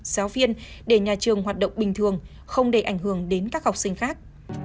giáo viên để nhà trường hoạt động bình thường không để ảnh hưởng đến các học sinh khác